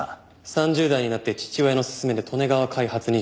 ３０代になって父親のすすめで利根川開発に就職。